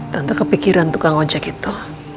tanpa kepikiran tukang ojek itu